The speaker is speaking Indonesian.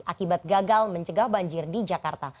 akibat gagal mencegah banjir di jakarta